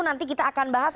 nanti kita akan bahas